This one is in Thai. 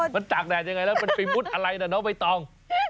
มันตากแดดยังไงแล้วน้องเวตอง